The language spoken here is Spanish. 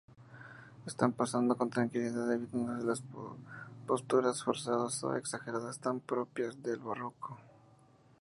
Están posando, con tranquilidad, evitándose las posturas forzadas o exageradas tan propias del barroco.